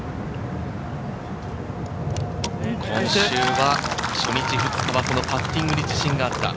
今週は初日２日はこのパッティングに自信があった。